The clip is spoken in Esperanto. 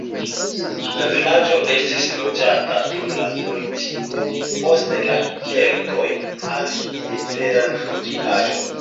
La vilaĝo estis loĝata dum la neolitiko, poste la keltoj havis tie teran fortikaĵon.